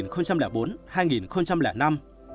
khoảng năm hai nghìn bốn hai nghìn năm